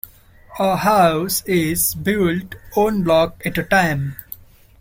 A house is built one block at a time.